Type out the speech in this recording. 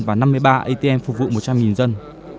và năm mươi ba atm phục vụ một trăm linh dân